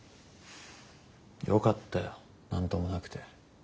よかったよ何ともなくて。